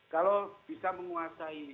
kalau bisa menguasai